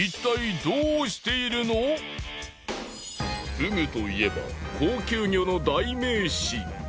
フグといえば高級魚の代名詞。